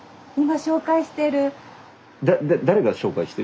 誰が紹介してる？